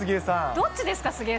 どっちですか？